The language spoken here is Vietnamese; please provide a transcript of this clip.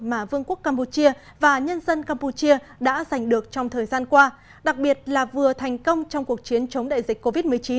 mà vương quốc campuchia và nhân dân campuchia đã giành được trong thời gian qua đặc biệt là vừa thành công trong cuộc chiến chống đại dịch covid một mươi chín